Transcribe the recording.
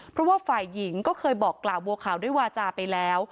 เพราะว่าฝ่ายหญิงก็เคยบอกกล่าวบัวขาวด้วยวาจาไปแล้ว